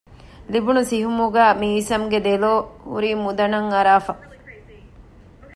ލިބުނު ސިހުމުގައި މީސަމް ގެ ދެލޯ ހުރީ މުދަނަށް އަރާފަ